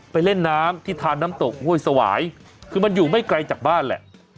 เล่นน้ำที่ทานน้ำตกห้วยสวายคือมันอยู่ไม่ไกลจากบ้านแหละ